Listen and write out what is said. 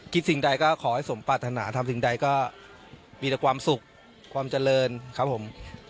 สิ่งใดก็ขอให้สมปรารถนาทำสิ่งใดก็มีแต่ความสุขความเจริญครับผม